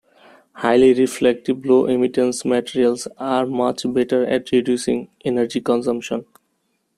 Highly reflective, low-emittance materials are much better at reducing energy consumption.